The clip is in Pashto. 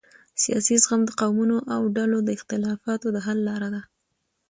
سیاسي زغم د قومونو او ډلو د اختلافاتو د حل لاره ده